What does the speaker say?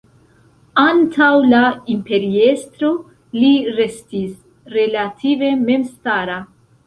Antaŭ la imperiestro li restis relative memstara.